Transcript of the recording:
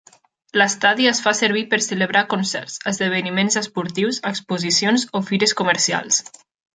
L'estadi es fa servir per celebrar concerts, esdeveniments esportius, exposicions o fires comercials.